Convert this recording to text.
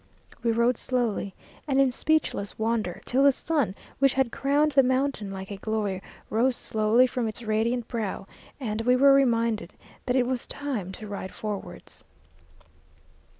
We rode slowly, and in speechless wonder, till the sun, which had crowned the mountain like a glory, rose slowly from its radiant brow, and we were reminded that it was time to ride forwards.